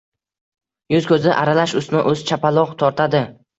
Yuz-ko‘zi aralash ustma-ust shapaloq tortadi.